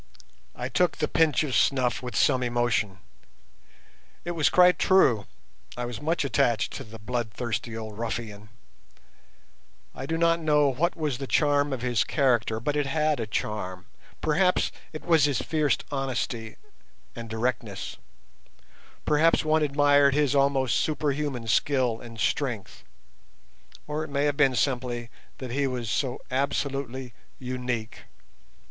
I took the pinch of snuff with some emotion. It was quite true, I was much attached to the bloodthirsty old ruffian. I do not know what was the charm of his character, but it had a charm; perhaps it was its fierce honesty and directness; perhaps one admired his almost superhuman skill and strength, or it may have been simply that he was so absolutely unique.